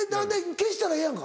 消したらええやんか。